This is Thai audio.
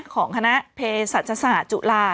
ของคณะเพศศาสตร์จุฬา